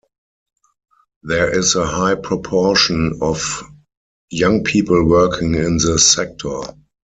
There is a high proportion of young people working in the sector.